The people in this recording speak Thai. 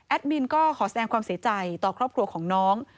มินก็ขอแสดงความเสียใจต่อครอบครัวของน้อง